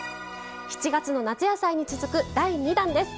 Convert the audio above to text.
７月の「夏野菜」に続く第２弾です。